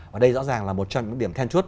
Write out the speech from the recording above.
và đây rõ ràng là một trong những điểm then chốt